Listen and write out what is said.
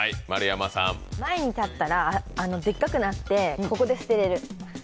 前に立ったらでっかくなってここで捨てられる。